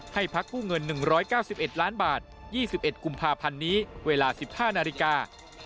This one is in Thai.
ให้พักกู้เงิน๑๙๑ล้านบาท๒๑กุมภาพันธ์นี้เวลา๑๕นาฬิกา